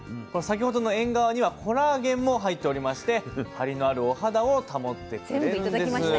これ先ほどのえんがわにはコラーゲンも入っておりましてハリのあるお肌を保ってくれるんです。